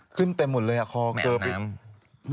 ขึ้นเต็มหมดเลยอ่ะคอเกิบ